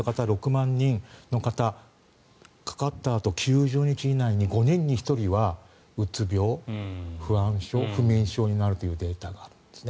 ６万人の方かかったあと９０日以内に５人に１人はうつ病、不安症、不眠症になるというデータがあるんです。